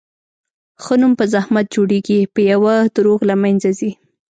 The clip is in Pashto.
ښه نوم په زحمت جوړېږي، په یوه دروغ له منځه ځي.